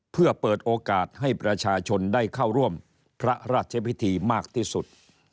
เพื่อเปิดโอกาสให้ประชาชนได้เข้าร่วมพระราชพิธีมากที่สุด